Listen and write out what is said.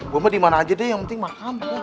gue mah dimana aja deh yang penting makan